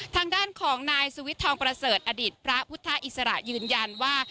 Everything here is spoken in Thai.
ทางด้านของนายสุวิทย์ทองประเสริฐอดิษฐ์พระพุทธอิสระยืนยันว่า